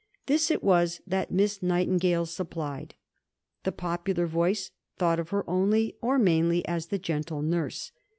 This it was that Miss Nightingale supplied. The popular voice thought of her only or mainly as the gentle nurse.